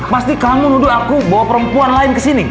pasti kamu menuduh aku bawa perempuan lain kesini